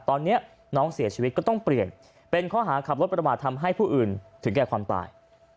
ตอนนี้น้องเสียชีวิตก็ต้องเปลี่ยนเป็นข้อหาขับรถประมาททำให้ผู้อื่นถึงแก่ความตาย